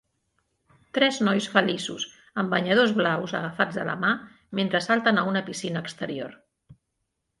Tres nois feliços amb banyadors blaus agafats de la mà mentre salten a una piscina exterior